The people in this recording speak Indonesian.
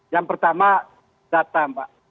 yang pertama data pak